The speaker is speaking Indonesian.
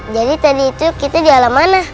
jadi tadi itu kita di alam mana